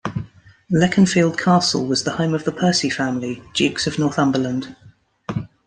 Leconfield Castle was the home of the Percy family, Dukes of Northumberland.